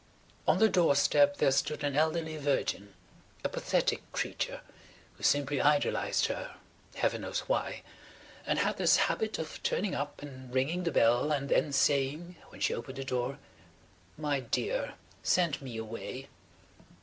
On the doorstep there stood an elderly virgin, a pathetic creature who simply idolized her (heaven knows why) and had this habit of turning up and ringing the bell and then saying, when she opened the door: "My dear, send me away!"